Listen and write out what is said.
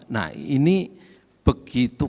nah ini begitu